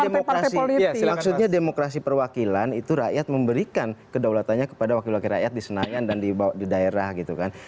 tapi maksudnya demokrasi perwakilan itu rakyat memberikan kedaulatannya kepada wakil wakil rakyat di senayan dan di daerah gitu kan